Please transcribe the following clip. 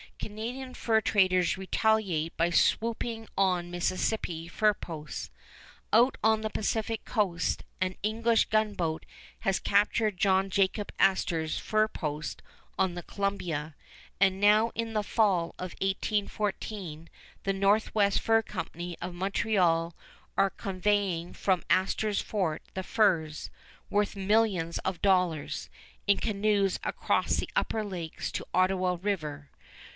Canadian fur traders retaliate by swooping on Mississippi fur posts. Out on the Pacific Coast an English gunboat has captured John Jacob Astor's fur post on the Columbia; and now in the fall of 1814 the Northwest Fur Company of Montreal are conveying from Astor's fort the furs, worth millions of dollars, in canoes across the Upper Lakes to Ottawa River.